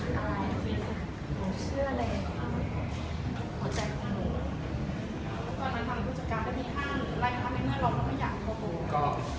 อยากแถวผม